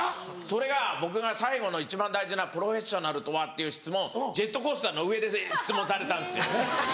それが僕が最後の一番大事な「プロフェッショナルとは？」っていう質問ジェットコースターの上で質問されたんですよ。